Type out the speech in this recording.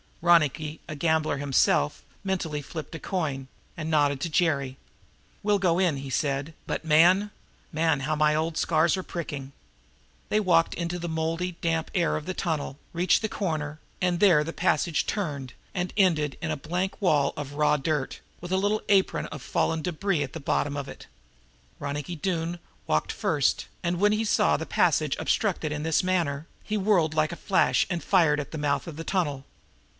Ronicky, a gambler himself, mentally flipped a coin and nodded to Jerry. "We'll go in," he said, "but man, man, how my old scars are pricking!" They walked into the moldy, damp air of the tunnel, reached the corner, and there the passage turned and ended in a blank wall of raw dirt, with a little apron of fallen debris at the bottom of it. Ronicky Doone walked first, and, when he saw the passage obstructed in this manner, he whirled like a flash and fired at the mouth of the tunnel.